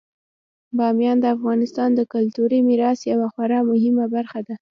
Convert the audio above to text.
بامیان د افغانستان د کلتوري میراث یوه خورا مهمه برخه ده.